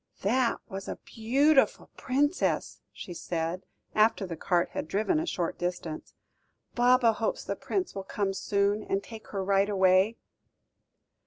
"That was a beautiful Princess," she said, after the cart had driven a short distance. "Baba hopes the Prince will come soon, and take her right away."